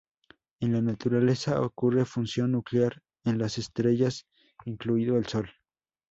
En la naturaleza ocurre fusión nuclear en las estrellas, incluido el Sol.